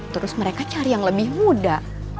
terus mereka cari yang lebih muda